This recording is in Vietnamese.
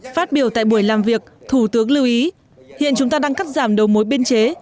phát biểu tại buổi làm việc thủ tướng lưu ý hiện chúng ta đang cắt giảm đầu mối biên chế